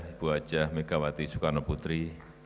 ibu hajah megawati soekarno putri